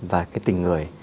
và cái tình người